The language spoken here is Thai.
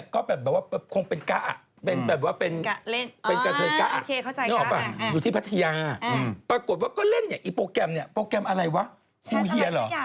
กลับได้แล้วใช่มั้ย